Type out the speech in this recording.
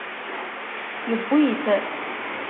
Yewwi-t.